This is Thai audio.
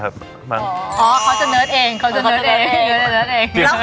อ๋อเขาจะเนิร์ดเอง